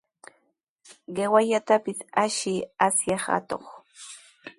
¡Qiwallatapis ashiy, asyaq atuq!